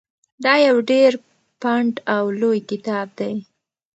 دا یو ډېر پنډ او لوی کتاب دی.